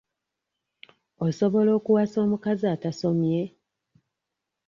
Osobola okuwasa omukazi atasomye?